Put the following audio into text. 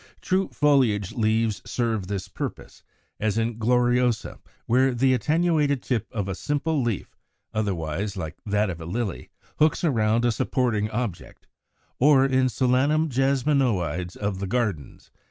True foliage leaves serve this purpose; as in Gloriosa, where the attenuated tip of a simple leaf (otherwise like that of a Lily) hooks around a supporting object; or in Solanum jasminoides of the gardens (Fig.